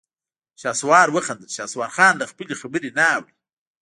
شهسوار وخندل: شهسوارخان له خپلې خبرې نه اوړي.